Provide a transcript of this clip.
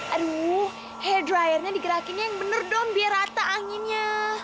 aduh hair dryernya digerakin yang bener dong biar rata anginnya